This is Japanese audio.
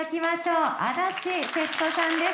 足立摂子さんです。